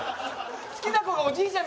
好きな子がおじいちゃん。